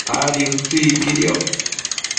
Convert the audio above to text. Adi utsi iquidioc